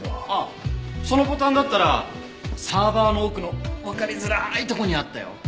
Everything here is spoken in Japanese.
ああそのボタンだったらサーバーの奥のわかりづらいとこにあったよ。